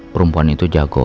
perempuan itu jago